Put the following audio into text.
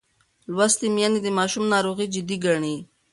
لوستې میندې د ماشوم ناروغي جدي ګڼي.